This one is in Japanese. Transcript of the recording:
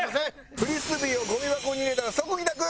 フリスビーをゴミ箱に入れたら即帰宅！